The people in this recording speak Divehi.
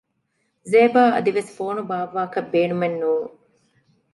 ޒޭބާ އަދިވެސް ފޯނު ބާއްވާކަށް ބޭނުމެއް ނޫން